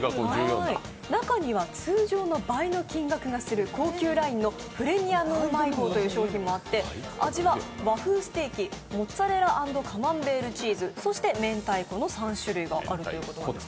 中には通常の倍の金額がするプレミアムラインの高級ラインのプレミアムうまい棒という商品もあって味は和風ステーキ、モッツァレラ＆カマンベールチーズ、そして明太子の３種類があるということです。